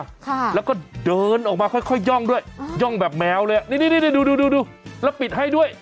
ค่ะแล้วก็เดินออกมาค่อยย่องด้วยย่องแบบแมวเลยนี่ดูแล้วปิดให้ด้วย